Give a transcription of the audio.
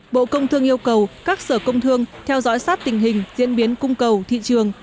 bộ công thương yêu cầu các sở công thương theo dõi sát tình hình diễn biến cung cầu thị trường